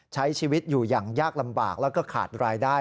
ใช้ชีวิตอยู่อย่างยากลำบากแล้วก็ขาดรายได้